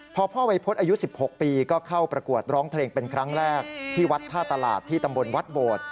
พอพ่อวัยพฤษอายุ๑๖ปีก็เข้าประกวดร้องเพลงเป็นครั้งแรกที่วัดท่าตลาดที่ตำบลวัดโบด